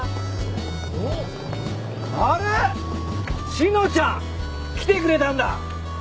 志乃ちゃん！来てくれたんだ！